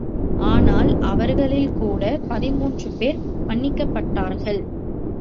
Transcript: ஆனால் அவர்களில் கூட பதின்மூன்று பேர் மன்னிக்கப்பட்டார்கள்.